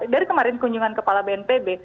dari kemarin kunjungan kepala bnpb